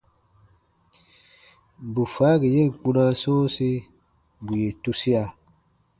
Bù faagi yen kpunaa sɔ̃ɔsi, bù yè tusia.